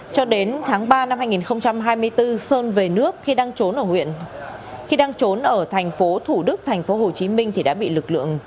cho đến tháng ba năm hai nghìn hai mươi bốn sơn về nước khi đang trốn ở thành phố thủ đức thành phố hồ chí minh thì đã bị lực lượng